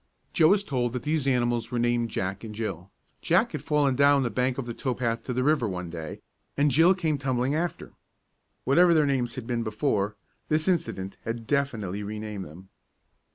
Joe was told that these animals were named Jack and Jill. Jack had fallen down the bank from the tow path to the river one day, and Jill had come tumbling after. Whatever their names had been before, this incident had definitely renamed them.